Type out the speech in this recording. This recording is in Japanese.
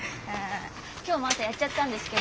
今日も朝やっちゃったんですけど。